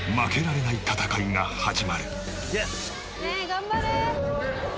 頑張れ。